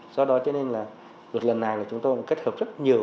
do đó cho nên lần này chúng ta kết hợp rất nhiều